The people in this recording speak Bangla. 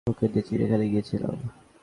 ওকে নিয়ে চিড়িয়াখানায় গিয়েছিলাম!